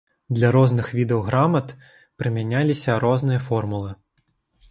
Для розных відаў грамат прымяняліся розныя формулы.